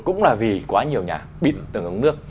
cũng là vì quá nhiều nhà bị từng ống nước